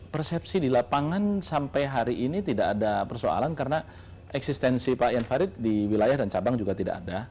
persepsi di lapangan sampai hari ini tidak ada persoalan karena eksistensi pak ian farid di wilayah dan cabang juga tidak ada